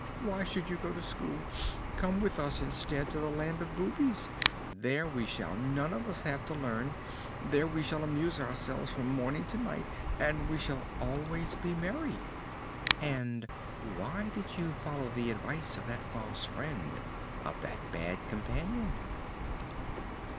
Why should you go to school? Come with us instead to the "Land of Boobies"; there we shall none of us have to learn; there we shall amuse ourselves from morning to night, and we shall always be merry'." "And why did you follow the advice of that false friend? of that bad companion?"